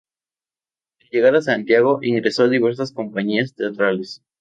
Al llegar a Santiago, ingresó a diversas compañías teatrales.